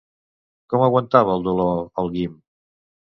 Com aguantava el dolor el Guim?